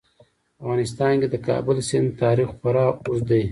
په افغانستان کې د کابل سیند تاریخ خورا اوږد دی.